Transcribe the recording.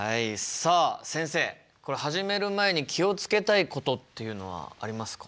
さあ先生始める前に気を付けたいことっていうのはありますか？